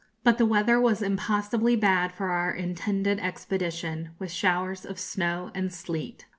But the weather was impossibly bad for our intended expedition, with showers of snow and sleet.